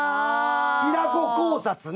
平子考察ね。